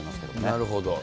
なるほど。